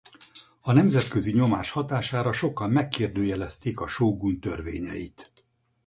A nemzetközi nyomás hatására sokan megkérdőjelezték a sógun törvényeit.